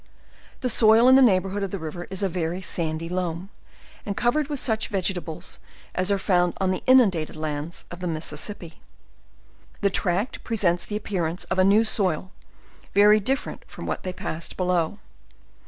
The soil in the neighborhood of the river is a very sandy loam, and covered with such veg etables as are found on the inundated lands of the Mississip pi. The tract presents the appearance of a new soil, very different from what they passed below.